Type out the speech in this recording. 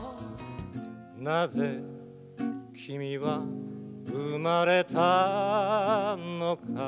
「なぜ君は生まれたのか」